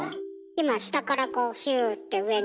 今下からこうヒューッて上にねえ。